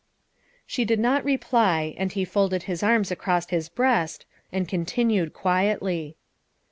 She did not reply, and he folded his arms across his breast and continued quietly.